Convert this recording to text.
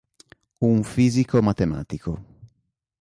Un fisico matematico.